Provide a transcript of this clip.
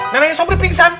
neneknya sobri pingsan